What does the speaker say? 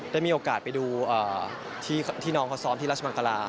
ได้มีโอกาสไปดูที่น้องเขาซ้อมที่ราชมังกรา